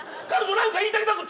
何か言いたげだね。